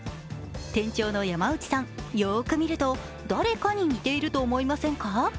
店長の山内さん、よーく見ると誰かに似ていると思いませんか？